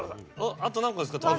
あと何個ですか？